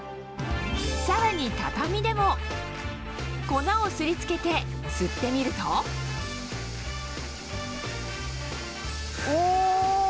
さらに畳でも粉をすり付けて吸ってみるとお！